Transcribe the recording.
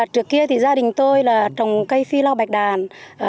trước kia thì gia đình tôi là trồng cây phi lao bạch đàn